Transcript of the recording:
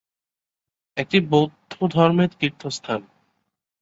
একটি বৌদ্ধ ধর্মের তীর্থস্থান।